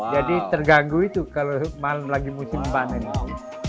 jadi terganggu itu kalau malam lagi musim panas